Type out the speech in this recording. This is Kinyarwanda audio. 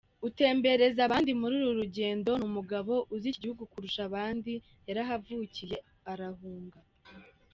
Utembereza abandi muri uru rugendo ni umugabo uzi iki gihugu kurusha abandi; yarahavukiye, arahunga.